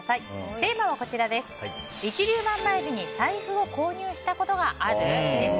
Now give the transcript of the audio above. テーマは、一粒万倍日に財布を購入したことがある？です。